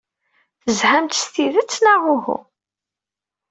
Tezhamt s tidet, neɣ uhu?